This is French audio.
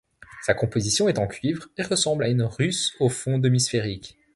Sa composition est en cuivre et ressemble à une russe au fond demi sphérique.